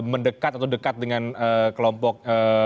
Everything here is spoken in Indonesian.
mendekat atau dekat dengan kelompok